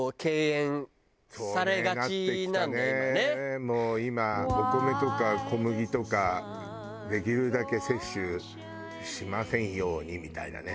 もう今お米とか小麦とかできるだけ摂取しませんようにみたいなね。